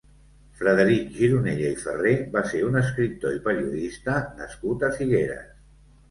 Frederic Gironella i Ferrer va ser un escriptor i periodista nascut a Figueres.